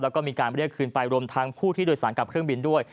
แล้วก็มีการเรียกคืนไปรวมทั้งผู้ที่โดยสารกับเครื่องบินด้วย